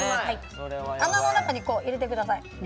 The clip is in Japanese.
穴の中にこう入れてください。